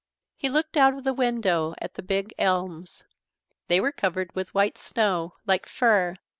He looked out of the window at the big elms. They were covered with white snow like fur.